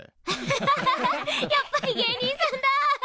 やっぱり芸人さんだ！